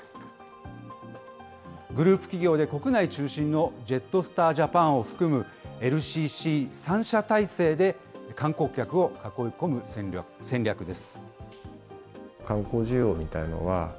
グループ企業で国内中心のジェットスター・ジャパンを含むＬＣＣ３社体制で、観光客を囲い込む戦略です。